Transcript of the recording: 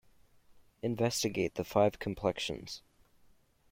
Investigate the five complexions.